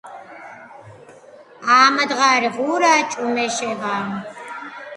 ამდაღარი ღურა ჭუმეშავა.